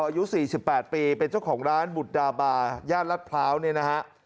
อายุ๔๘ปีเป็นเจ้าของร้านบุตรดาบาย่านรัฐพร้าวเนี่ยนะฮะ